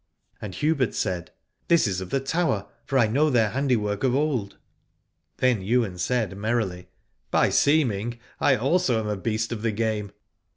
And Hubert said, This is of the Tower, for I know their handiwork of old. Then Ywain said merrily. By seeming I also am a beast of the game.